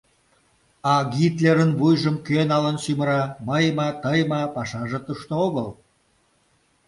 А Гитлерын вуйжым кӧ налын сӱмыра — мый ма, тый ма — пашаже тушто огыл.